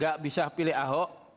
gak usah pilih ahok